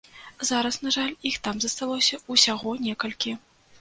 Зараз, на жаль, іх там засталося ўсяго некалькі.